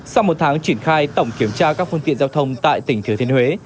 sau một tháng triển khai tổng kiểm tra các phương tiện giao thông tại tỉnh thừa thiên huế